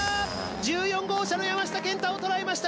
１４号車の山下健太をとらえました